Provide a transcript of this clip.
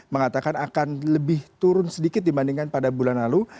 mengatakan akan lebih turun sedikit dibandingkan pada bulan lalu